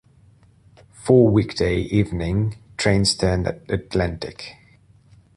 Four weekday evening trains turned at Atlantic.